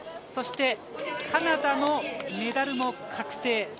そしてカナダのメダルも確定。